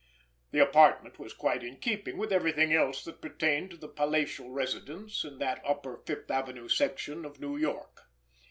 The apartment was quite in keeping with everything else that pertained to the palatial residence in that upper Fifth Avenue section of New York.